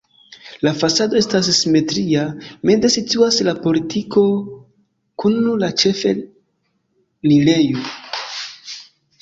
La fasado estas simetria, meze situas la portiko kun la ĉefenirejo.